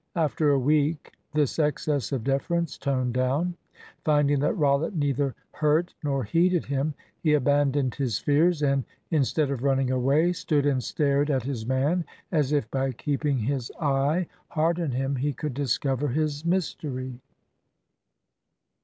After a week this excess of deference toned down. Finding that Rollitt neither hurt nor heeded him, he abandoned his fears, and, instead of running away, stood and stared at his man, as if by keeping his eye hard on him he could discover his mystery.